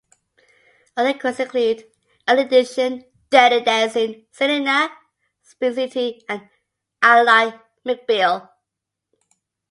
Other credits include "Early Edition", "Dirty Dancing", "Selena", "Spin City" and "Ally McBeal".